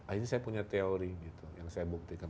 akhirnya saya punya teori gitu yang saya buktikan